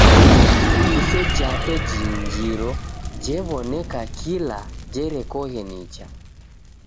Iriso jape jiinjiro jew'oneka kila jerekoghe nicha.